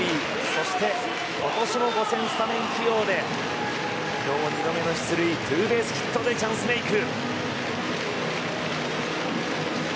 そして今年も５戦目にスタメン起用で今日２度目の出塁ツーベースヒットでチャンスメイク。